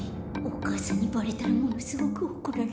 お母さんにバレたらものすごくおこられる。